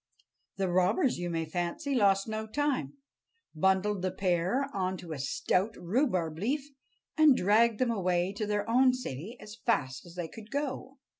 The robbers, you may fancy, lost no time, bundled the pair on to a stout rhubarb leaf, and dragged them away to their own city as fast as they could go.